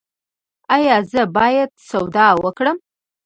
ایا زه باید سودا وکړم؟